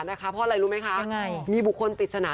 เพราะอะไรรู้ไหมคะมีบุคคลปริศนา